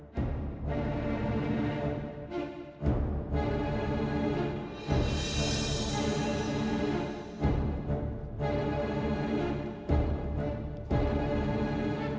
hei bangun kalian